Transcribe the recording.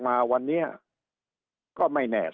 สุดท้ายก็ต้านไม่อยู่